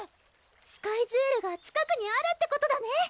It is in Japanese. スカイジュエルが近くにあるってことだね！